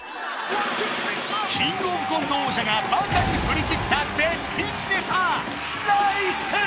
キングオブコント王者がバカに振り切った絶品ネタ